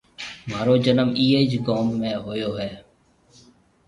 مهارو جنم اِيئي جيَ گوم ۾ هويو هيَ۔